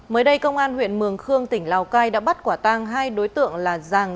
mới đây công an huyện mường khương tỉnh lào cai đã bắt quả tang hai đối tượng là giàng